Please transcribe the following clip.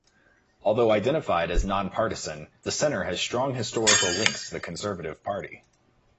Although identified as non-partisan, the Centre has strong historical links to the Conservative Party.